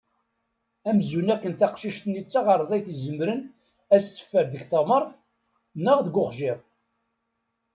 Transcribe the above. Amzun akken taqcic-nni d taɣerdayt izemren ad as-teffer deg teɣmert neɣ deg uxjiḍ.